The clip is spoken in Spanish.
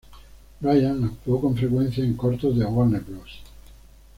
Bryan actuó con frecuencia en cortos de Warner Bros.